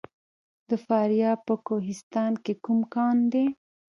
د فاریاب په کوهستان کې کوم کان دی؟